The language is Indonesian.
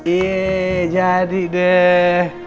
yeay jadi deh